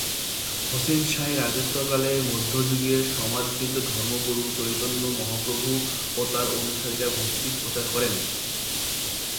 হোসেন শাহের রাজত্বকালে মধ্যযুগের সমাদৃত ধর্মগুরু চৈতন্য মহাপ্রভু ও তার অনুসারীরা ভক্তি প্রচার করেন।